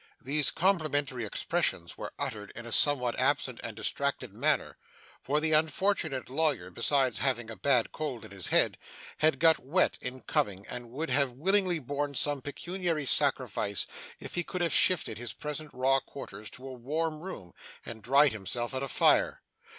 These complimentary expressions were uttered in a somewhat absent and distracted manner; for the unfortunate lawyer, besides having a bad cold in his head, had got wet in coming, and would have willingly borne some pecuniary sacrifice if he could have shifted his present raw quarters to a warm room, and dried himself at a fire.